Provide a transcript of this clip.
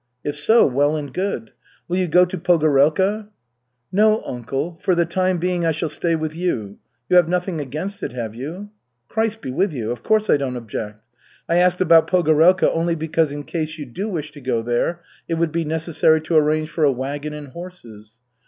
"If so, well and good. Will you go to Pogorelka?" "No, uncle, for the time being I shall stay with you. You have nothing against it, have you?" "Christ be with you, of course I don't object. I asked about Pogorelka only because in case you do wish to go there, it would be necessary to arrange for a wagon and horses."